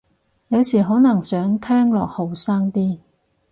有時可能想聽落後生啲